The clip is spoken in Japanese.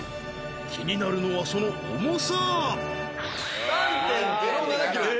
気になるのはその重さえっ！？